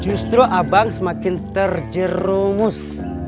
justru abang semakin terjerumus